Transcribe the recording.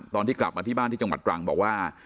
ตอนที่กลับมาที่บ้านที่จังหวัดตรังบอกว่า